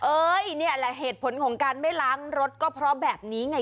นี่แหละเหตุผลของการไม่ล้างรถก็เพราะแบบนี้ไง